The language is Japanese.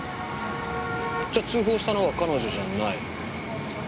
じゃあ通報したのは彼女じゃない。